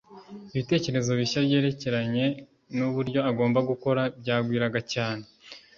ibitekerezo bishya byerekeranye n'uburyo agomba gukora byagwiraga cyane